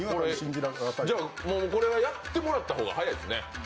これはやってもらった方が早いですね。